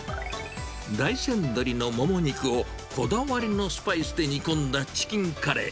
大山鶏のもも肉をこだわりのスパイスで煮込んだチキンカレー。